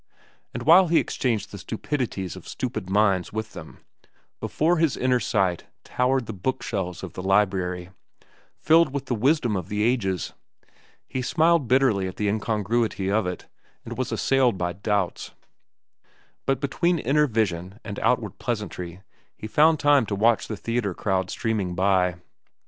And while he exchanged the stupidities of stupid minds with them, before his inner sight towered the book shelves of the library, filled with the wisdom of the ages. He smiled bitterly at the incongruity of it, and was assailed by doubts. But between inner vision and outward pleasantry he found time to watch the theatre crowd streaming by.